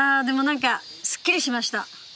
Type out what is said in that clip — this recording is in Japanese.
何かすっきりしました